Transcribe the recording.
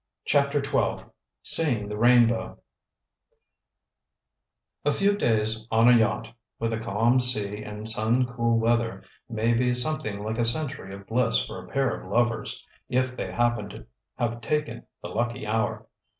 CHAPTER XII SEEING THE RAINBOW A few days on a yacht, with a calm sea and sun cool weather, may be something like a century of bliss for a pair of lovers, if they happen to have taken the lucky hour.